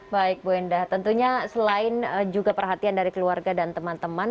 baik bu endah tentunya selain juga perhatian dari keluarga dan teman teman